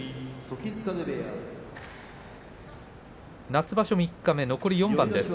夏場所三日目、残り４番です。